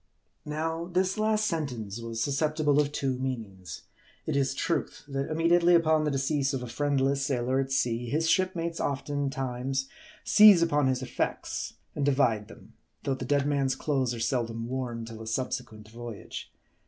Now, this last sentence was susceptible of two meanings. It is truth, that immediately upon the decease of a friendless sailor at sea, his shipmates oftentimes seize upon his effects, and divide them ; though the dead man's clothes are seldom worn till a subsequent voyage.